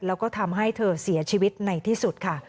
แล้วก็ทำให้เธอเสียชีวิตในที่สุดค่ะ